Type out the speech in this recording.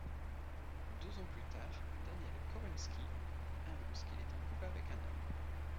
Deux ans plus tard, Daniel Kawczynski annonce qu'il est en couple avec un homme.